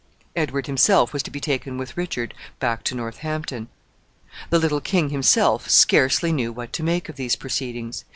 Edward himself was to be taken with Richard back to Northampton. The little king himself scarcely knew what to make of these proceedings.